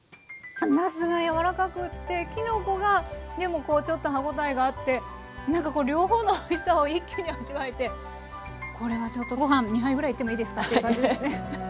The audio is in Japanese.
なすが柔らかくってきのこがでもこうちょっと歯応えがあってなんかこう両方のおいしさを一気に味わえてこれはちょっとご飯２杯ぐらいいってもいいですかっていう感じですね。